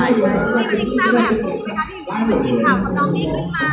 ที่มันเห็นข่าวว่าน้องนี่ขึ้นมา